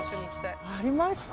ありました。